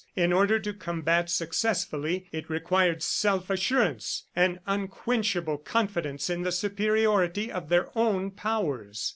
In order to combat successfully, it required self assurance, an unquenchable confidence in the superiority of their own powers.